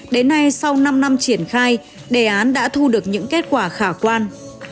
đến nay sau năm năm triển khai đề án đã thu được những kết quả khả quan